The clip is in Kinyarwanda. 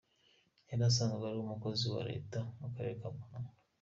Yari asanzwe ari umukozi wa Leta mu Karere ka Muhanga.